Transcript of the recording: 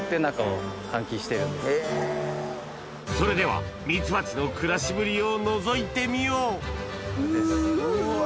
それではミツバチの暮らしぶりをのぞいてみよううわ。